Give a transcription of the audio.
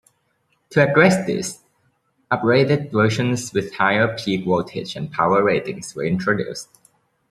To address this, uprated versions with higher peak voltage and power ratings were introduced.